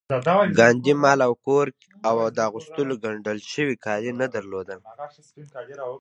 ګاندي مال او کور او د اغوستو ګنډل شوي کالي نه درلودل